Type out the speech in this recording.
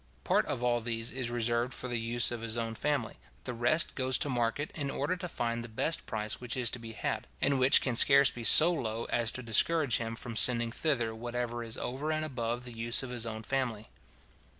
Part of all these is reserved for the use of his own family; the rest goes to market, in order to find the best price which is to be had, and which can scarce be so low is to discourage him from sending thither whatever is over and above the use of his own family.